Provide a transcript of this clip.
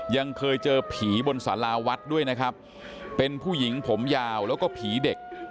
ยังเคยเจอผีบนสาราวัดด้วยนะครับเป็นผู้หญิงผมยาวแล้วก็ผีเด็ก